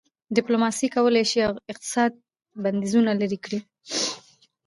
ډيپلوماسي کولای سي اقتصادي بندیزونه لېرې کړي.